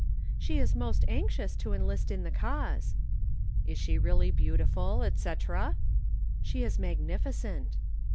"She is most anxious to enlist in the Cause." "Is she really beautiful, et cetera?" "She is magnificent."